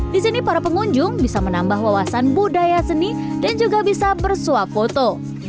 di sini para pengunjung bisa menambah wawasan budaya seni dan juga bisa bersuap foto